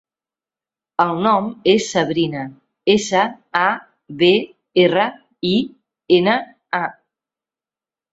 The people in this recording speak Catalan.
El nom és Sabrina: essa, a, be, erra, i, ena, a.